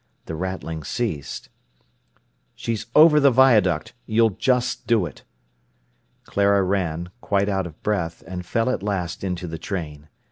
The rattling ceased. "She's over the viaduct. You'll just do it." Clara ran, quite out of breath, and fell at last into the train.